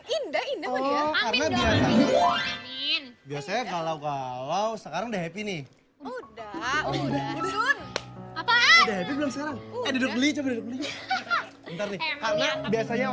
indah indah indah indah biasanya kalau kalau sekarang deh ini udah udah